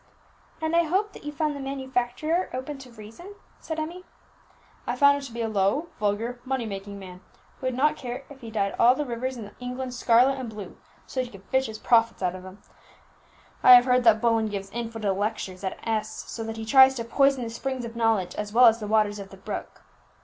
"And I hope that you found the manufacturer open to reason?" said Emmie. "I found him to be a low, vulgar, money making man, who would not care if he dyed all the rivers in England scarlet and blue, so that he could fish his profits out of them. I have heard that Bullen gives infidel lectures in S , so that he tries to poison the springs of knowledge as well as the waters of the brook."